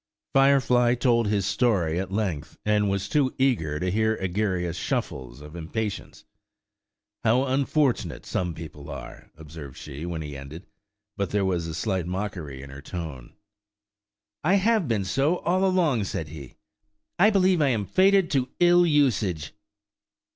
Firefly told his story at length, and was too eager to hear Egeria's shuffles of impatience. "How unfortunate some people are!" observed she, when he ended; but there was a slight mockery in her tone. "I have been so all along," said he; "I believe I am fated to ill usage."